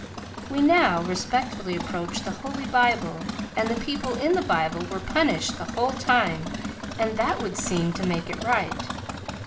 We now respectfully approach the Holy Bible and the people in the Bible were punished the whole time, and that would seem to make it right.